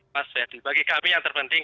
pak sehati bagi kami yang terpenting